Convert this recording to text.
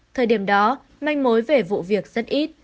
thời điểm đó manh mối về vụ việc rất ít